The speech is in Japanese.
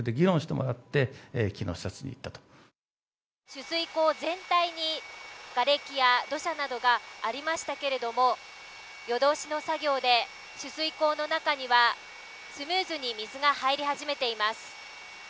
取水口全体にがれきや土砂などがありましたけど夜通しの作業で取水口の中にはスムーズに水が入り始めています。